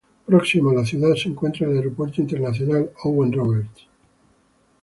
Próximo a la ciudad se encuentra el Aeropuerto Internacional Owen Roberts.